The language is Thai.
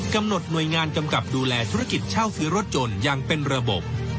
หน่วยงานกำกับดูแลธุรกิจเช่าซื้อรถยนต์อย่างเป็นระบบ